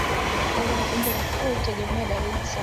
Mwongozo wa magonjwa ya mifugo kutegemeana na dalili zao